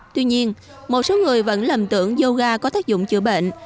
tuy nhiên một số người vẫn lầm tưởng yoga có tác dụng chữa bệnh